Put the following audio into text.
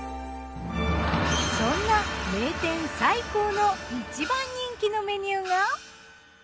そんな名店菜香の一番人気のメニューが。